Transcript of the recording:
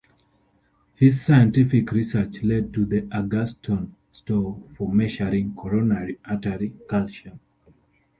His scientific research led to the Agatston Score for measuring coronary artery calcium.